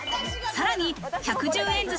さらに１１０円